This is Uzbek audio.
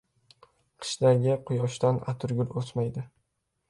• Qishdagi quyoshdan atirgul o‘smaydi.